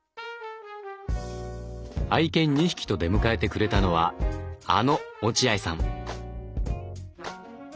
愛犬２匹と出迎えてくれたのはあの落合さん。